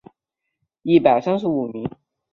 应天府乡试第一百三十五名。